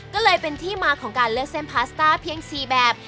ก็เลยเป็นที่มาของการเลือกเส้นพาสต้าเพียง๔แบบ